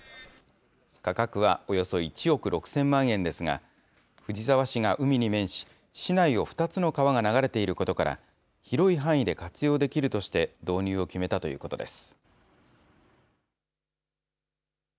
価格はおよそ１億６０００万円ですが、藤沢市が海に面し、市内を２つの川が流れていることから、広い範囲で活用できるとして導入を決めたということです。